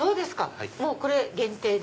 もうこれ限定で。